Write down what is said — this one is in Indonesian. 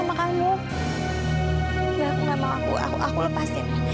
enggak aku gak mau aku lepasin